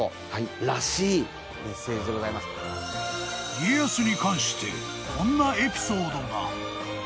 ［家康に関してこんなエピソードが］